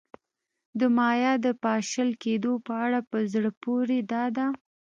د مایا د پاشل کېدو په اړه په زړه پورې دا ده